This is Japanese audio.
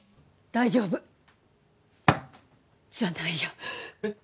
大丈夫じゃないやえっ？